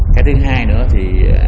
cái thứ hai nữa thì